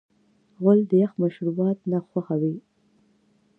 غول د یخ مشروبات نه خوښوي.